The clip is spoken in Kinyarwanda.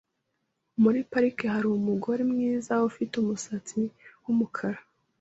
Muri parike hari umugore mwiza ufite umusatsi wumukara.